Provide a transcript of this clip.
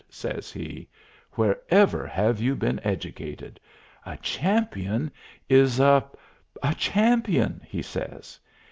says he, "wherever have you been educated? A champion is a a champion," he says.